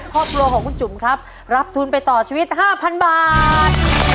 ครอบครัวของคุณจุ๋มครับรับทุนไปต่อชีวิต๕๐๐๐บาท